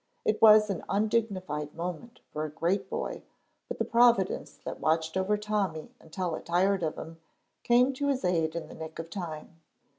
It was an undignified moment for a great boy, but the providence that watched over Tommy until it tired of him came to his aid in the nick of time.